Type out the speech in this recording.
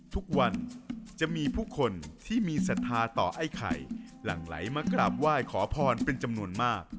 ทุกวันจะมีผู้คนที่มีศรัทธาต่อไอ้ไข่หลั่งไหลมากราบไหว้ขอพรเป็นจำนวนมาก